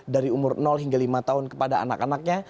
dari umur hingga lima tahun kepada anak anaknya